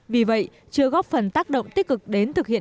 vì vậy chưa góp phần tác động tích cực đến thực hiện